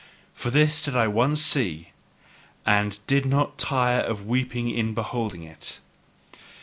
For this did I once see, and did not tire of weeping in beholding it.